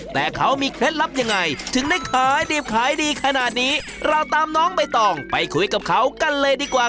แต่เขามีเคล็ดลับยังไงถึงได้ขายดิบขายดีขนาดนี้เราตามน้องใบตองไปคุยกับเขากันเลยดีกว่า